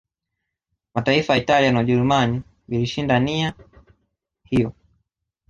Mataifa ya Italia na Ujerumani vilishinda nia hiyo